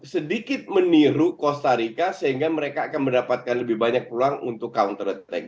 sedikit meniru costa rica sehingga mereka akan mendapatkan lebih banyak peluang untuk counter attack